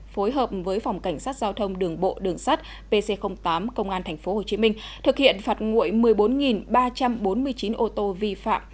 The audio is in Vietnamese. phối hợp với phòng cảnh sát giao thông đường bộ đường sắt pc tám công an tp hcm thực hiện phạt nguội một mươi bốn ba trăm bốn mươi chín ô tô vi phạm